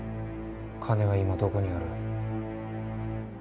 金は今どこにある？